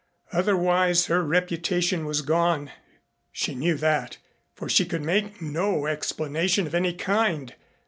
Otherwise her reputation was gone. She knew that, for she could make no explanation of any kind.